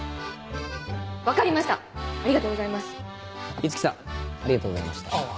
五木さんありがとうございました。